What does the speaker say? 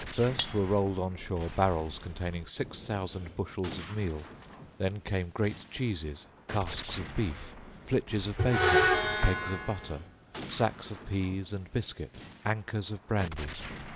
First were rolled on shore barrels containing six thousand bushels of meal. Then came great cheeses, casks of beef, flitches of bacon, kegs of butter, sacks of Pease and biscuit, ankers of brandy.